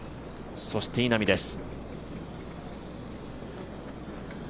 そして稲見です。